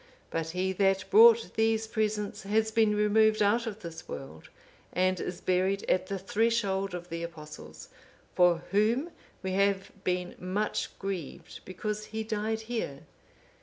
But he that brought these presents has been removed out of this world, and is buried at the threshold of the Apostles, for whom we have been much grieved, because he died here.